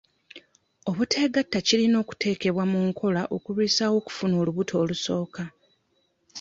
Obuteegatta kirina okuteekebwa mu nkola okulwisaawo okufuna olubuto olusooka.